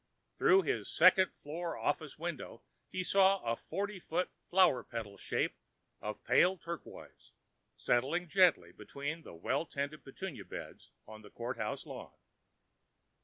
Through his second floor office window, he saw a forty foot flower petal shape of pale turquoise settling gently between the well tended petunia beds on the courthouse lawn.